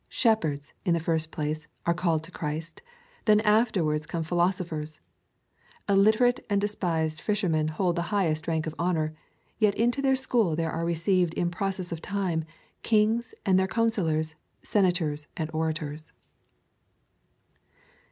Shepherds, in the first place, are called to Christ : then af terwards come philosophers : illiterate and despised fisher men hold the highest rank of honour ; yet into their school there are received in process of time kings and their coun sellors, senators and orators.